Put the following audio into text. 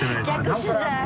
逆取材。